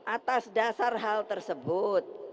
atas dasar hal tersebut